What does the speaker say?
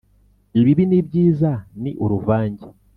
ibibi n’ibyiza ni uruvange